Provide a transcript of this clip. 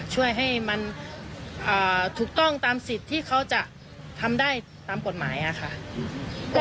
ช่วยให้มันถูกต้องตามสิทธิ์ที่เขาจะทำได้ตามกฎหมายค่ะ